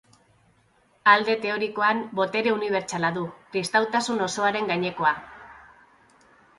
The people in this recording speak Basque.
Alde teorikoan, botere unibertsala du, kristautasun osoaren gainekoa.